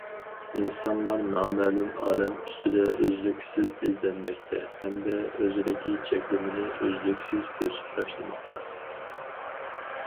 ئىنسانلار نامەلۇم ئالەم ئۈستىدە ئۈزلۈكسىز ئىزدەنمەكتە، ھەمدە ئۆزىدىكى چەكلىمىنى ئۈزلۈكسىز بۆسۈپ تاشلىماقتا.